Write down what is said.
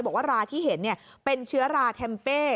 บอกว่าราที่เห็นเป็นเชื้อราแทมเป้